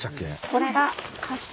これが。